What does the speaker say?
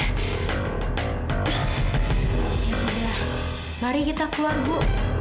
ya sudah mari kita keluar bu